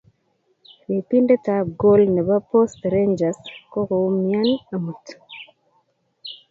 ripIndet ab gol nepo post rangers kokoumian amut